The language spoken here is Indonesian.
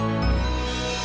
iya kak burger